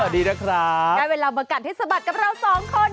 ได้เวลามากัดที่สบัดกับเราสองคน